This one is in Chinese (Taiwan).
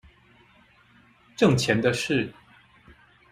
掙錢的事